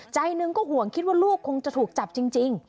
ใจหนึ่งก็ห่วงคิดว่าลูกคงจะถูกจับจริง